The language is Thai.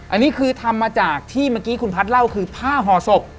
อันนี้คือทำมาจากที่เมื่อกี้คุณพัฒน์เล่าคือผ้าห่อศพ